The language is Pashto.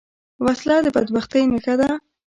وسله د بدبختۍ نښه ده